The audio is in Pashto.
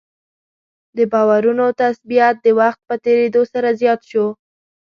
د باورونو تثبیت د وخت په تېرېدو سره زیات شو.